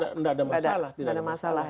tidak ada masalah